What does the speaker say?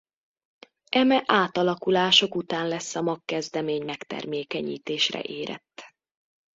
Eme átalakulások után lesz a magkezdemény megtermékenyítésre érett.